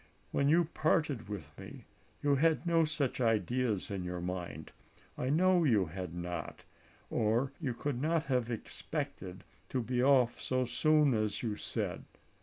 When you parted with me you had no such ideas in your mind. I know you had not, or you could not have expected to be off so soon as you said.